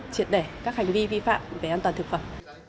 triệt đẻ các hành vi vi phạm về an toàn thực phẩm